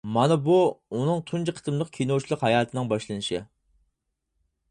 مانا بۇ ئۇنىڭ تۇنجى قېتىملىق كىنوچىلىق ھاياتىنىڭ باشلىنىشى.